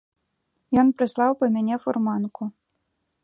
Ён прыслаў па мяне фурманку.